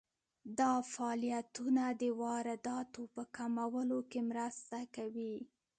دا فعالیتونه د وارداتو په کمولو کې مرسته کوي.